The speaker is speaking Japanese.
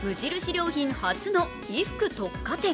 良品初の衣服特化店。